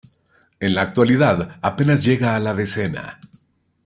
En la actualidad, a penas llega a la decena.